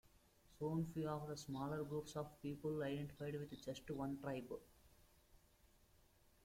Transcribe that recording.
Soon few of the smaller groups of people identified with just one tribe.